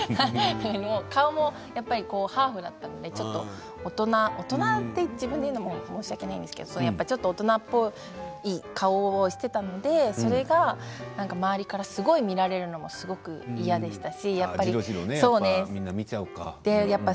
顔もハーフだったのでちょっと大人と自分で言うのも申し訳ないんですけど大人っぽい顔をしていたのでそれが周りからすごく見られるのもすごく嫌でしたし。